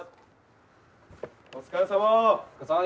お疲れさま。